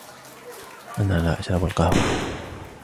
أنا لا أشرب القهوة.